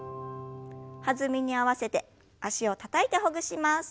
弾みに合わせて脚をたたいてほぐします。